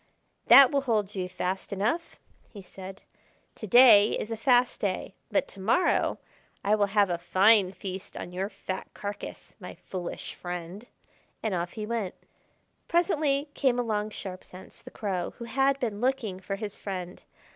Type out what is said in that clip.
"That will hold you fast enough," he said. "To day is a fast day, but to morrow I will have a fine feast on your fat carcass, my foolish friend." And off he went. Presently came along Sharp Sense, the Crow, who had been looking for his friend.